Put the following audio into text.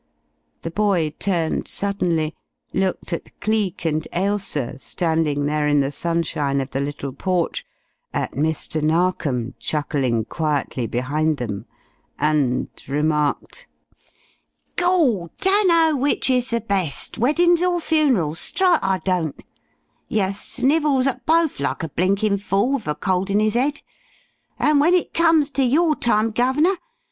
The boy turned suddenly, looked at Cleek and Ailsa standing there in the sunshine of the little porch, at Mr. Narkom chuckling quietly behind them, and remarked: "Gawd! Dunno which is the best weddings or funerals! Strite I don't. Yer snivels at bofe like a blinkin' fool wiv a cold in 'is 'ead. And when it comes to your time, Guv'nor!